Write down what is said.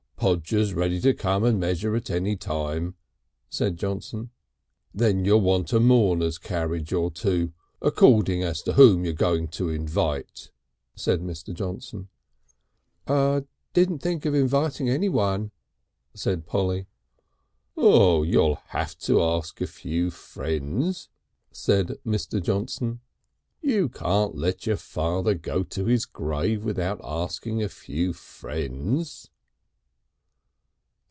"Podger's ready to come and measure at any time," said Johnson. "Then you'll want a mourner's carriage or two, according as to whom you're going to invite," said Mr. Johnson. "Didn't think of inviting any one," said Polly. "Oh! you'll have to ask a few friends," said Mr. Johnson. "You can't let your father go to his grave without asking a few friends."